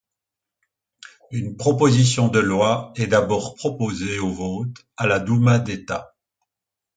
Une proposition de loi est d'abord proposée au vote à la Douma d'État.